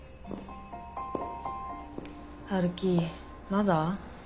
陽樹まだ？